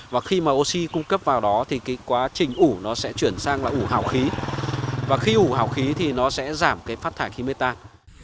và khi mà oxy cung cấp vào đó thì cái quá trình ủ nó sẽ chuyển sang là ủ hào khí và khi ủ hào khí thì nó sẽ giảm cái phát thải khí mê tan